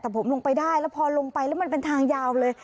แต่ผมลงไปได้แล้วพอลงไปแล้วมันเป็นทางยาวเลย